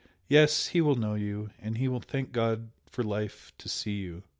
yes, he will know you, and he will thank God for life to see you!"